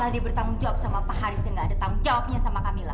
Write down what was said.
bukannya bertanggung jawab sama pak haris yang nggak ada tanggung jawabnya sama kamilah